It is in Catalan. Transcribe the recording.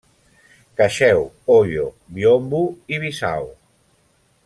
Cacheu, Oio, Biombo i Bissau.